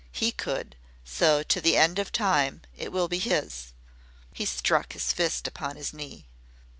He could, so to the end of time it will be HIS." He struck his fist upon his knee.